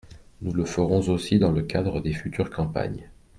Nous le ferons aussi dans le cadre des futures campagnes.